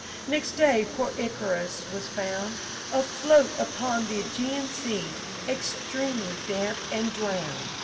next day poor Icarus was found Afloat upon the Ægean Sea, extremely damp and drowned!